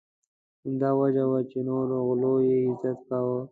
همدا وجه وه چې نورو غلو یې عزت کاوه.